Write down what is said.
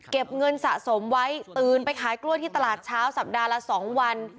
เงินสะสมไว้ตื่นไปขายกล้วยที่ตลาดเช้าสัปดาห์ละ๒วัน